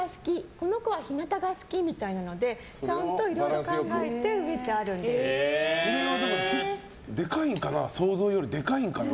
この子は日なたが好きみたいなのでちゃんといろいろ考えてこれは想像よりでかいんかな？